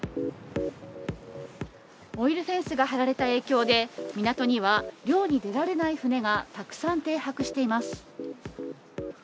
オイルフェンスが張られた影響で、港には漁に出られない船がたくさん停泊しています。